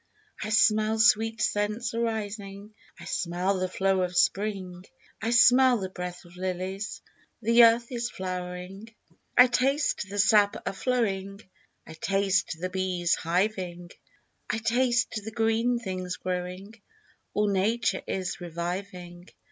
I smell sweet scents arising, I smell the flow of spring, I smell the breath of lilies, The earth is flowering. I taste the sap a flowing, I taste the bees' hiving, I taste the green things growing, All nature is reviving.